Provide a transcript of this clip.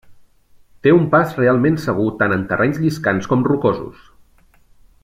Té un pas realment segur tant en terrenys lliscants com rocosos.